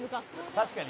「確かに。